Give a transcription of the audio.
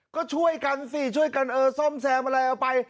ก็ช่วยกันสิช่วยกันเออซ่อมแซมอะไรเอาไป